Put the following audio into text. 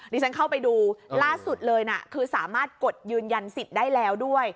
ที่ฉันเข้าไปดูล่าสุดเลยนะคือสามารถกดยืนยันสิทธิ์ได้แล้วด้วย